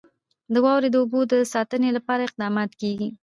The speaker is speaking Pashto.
د واورو د اوبو د ساتنې لپاره اقدامات کېږي.